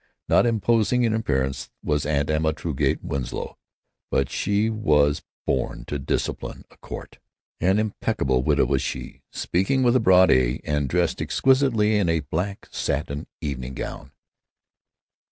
Not imposing in appearance was Aunt Emma Truegate Winslow, but she was born to discipline a court. An impeccable widow was she, speaking with a broad A, and dressed exquisitely in a black satin evening gown.